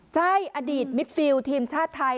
ใช่อดีตมิดฟิลทีมชาติไทย